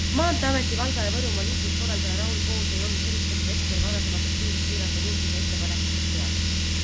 Maanteeameti Valga- ja Võrumaa liikluskorraldaja Raul Goos ei olnud helistamise hetkel varasematest kiiruspiirangu muutmise ettepanekutest teadlik.